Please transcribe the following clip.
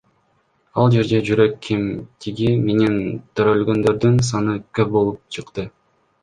Ал жерде жүрөк кемтиги менен төрөлгөндөрдүн саны көп болуп чыкты.